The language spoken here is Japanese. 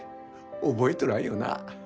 覚えとらんよな。